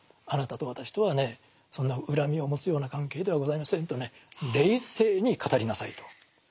あなたと私とはねそんな恨みを持つような関係ではございませんとね冷静に語りなさいと。